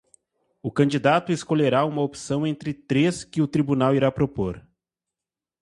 O candidato escolherá uma opção entre três que o tribunal irá propor.